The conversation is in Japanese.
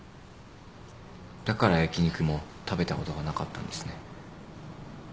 だから焼き肉も食べたことがなかったんですね。